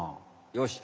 よし。